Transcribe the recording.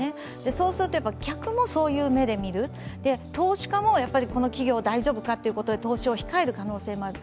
そうすると客もそういう目で見る、投資家も、この企業は大丈夫かと投資を控える可能性もある。